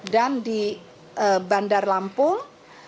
dan di bandar lampung